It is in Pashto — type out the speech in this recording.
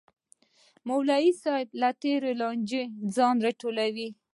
ملک صاحب له تېرې لانجې ځان ټولوي.